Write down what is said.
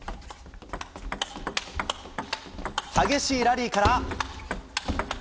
激しいラリーから。